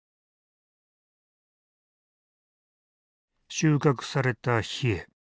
収穫されたヒエ。